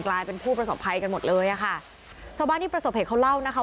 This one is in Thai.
กลายเป็นผู้ประสบภัยกันหมดเลยอ่ะค่ะชาวบ้านที่ประสบเหตุเขาเล่านะคะ